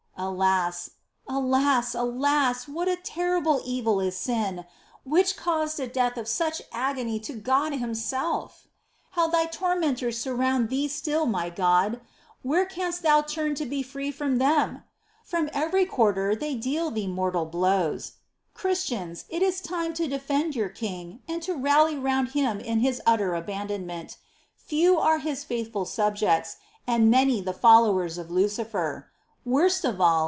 ^ Alas, alas, alas ! What a terrible evil is sin, which caused a death of such agony to God Himself ! How Thy tormentors surround Thee still, my God ! Where canst Thou turn to be free from them ? From every quarter they deal Thee mortal blows. 2. Christians, it is time to defend your King and to rally round Him in His utter abandonment : few are His faithful subjects, and many the followers of Lucifer. Worst of all.